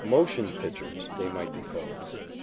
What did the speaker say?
"Motion pitchers" they might be called.